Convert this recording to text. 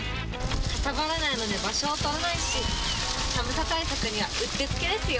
かさばらないので、場所を取らないし、寒さ対策にはうってつけですよ。